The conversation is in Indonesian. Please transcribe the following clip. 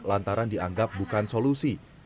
lantaran dianggap bukan solusi